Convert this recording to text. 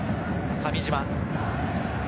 上島。